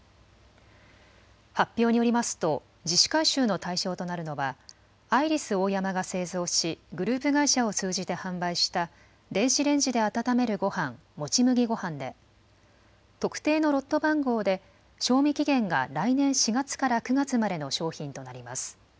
発表によりますと自主回収の対象となるのはアイリスオーヤマが製造しグループ会社を通じて販売した電子レンジで温めるごはんもち麦ごはんで特定のロット番号で賞味期限が来年４月から９月までの商品となります。